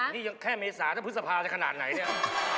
นี่แค่เมซาแล้วพดสภาพจะขนาดไหนเนี่ย